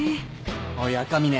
おい赤嶺